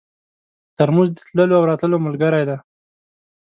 ترموز د تللو او راتلو ملګری دی.